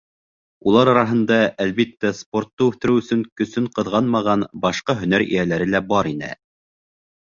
Улар араһында, әлбиттә, спортты үҫтереү өсөн көсөн ҡыҙғанмаған башҡа һөнәр эйәләре лә бар ине.